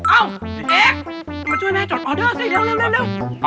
เอ้าไอ้เอ๊กมาช่วยแม่จดออเดอร์สิเร็ว